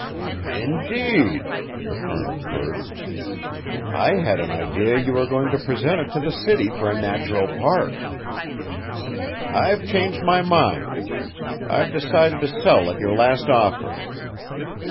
"Indeed," the Colonel purred. "I had an idea you were going to present it to the city for a natural park." "I've changed my mind. I've decided to sell at your last offer."